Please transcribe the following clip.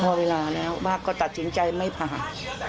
พอเวลาแล้วป้าก็ตัดสินใจไม่ผ่า